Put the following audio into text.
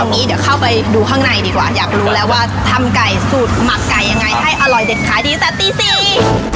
งี้เดี๋ยวเข้าไปดูข้างในดีกว่าอยากรู้แล้วว่าทำไก่สูตรหมักไก่ยังไงให้อร่อยเด็ดขายดีตั้งแต่ตีสี่